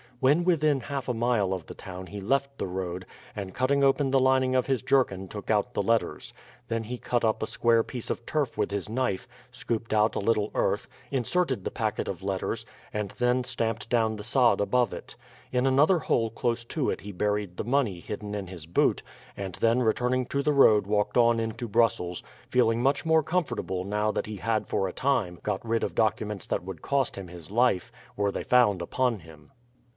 When within half a mile of the town he left the road, and cutting open the lining of his jerkin took out the letters. Then he cut up a square piece of turf with his knife, scooped out a little earth, inserted the packet of letters, and then stamped down the sod above it. In another hole close to it he buried the money hidden in his boot, and then returning to the road walked on into Brussels, feeling much more comfortable now that he had for a time got rid of documents that would cost him his life, were they found upon him.